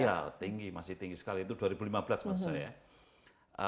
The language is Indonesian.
iya tinggi masih tinggi sekali itu dua ribu lima belas maksud saya